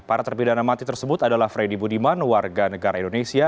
para terpidana mati tersebut adalah freddy budiman warga negara indonesia